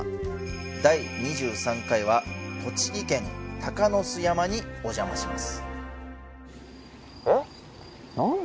第２３回は栃木県鷹巣山にお邪魔します